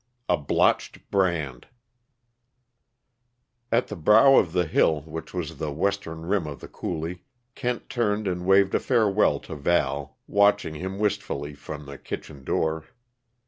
A BLOTCHED BRAND At the brow of the hill, which was the western rim of the coulee, Kent turned and waved a farewell to Val, watching him wistfully from the kitchen door.